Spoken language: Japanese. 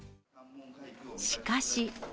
しかし。